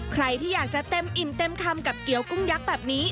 ใครที่อยากจะเต็มอิ่มเต็มคำกับเกี้ยวกุ้งยักษ์แบบนี้